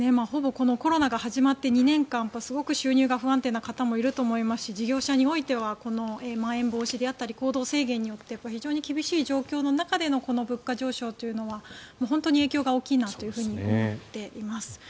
このコロナが始まって２年間すごく収入が不安定な方もいらっしゃると思いますし事業者においてはまん延防止であったり行動制限によって非常に厳しい状況の中での物価上昇というのは本当に影響が大きいなと思っています。